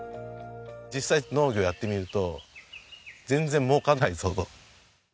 実際農業をやってみると全然儲からないぞと。